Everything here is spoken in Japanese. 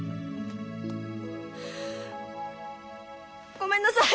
ごめんなさい！